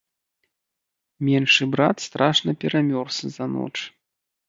Меншы брат страшна перамёрз за ноч.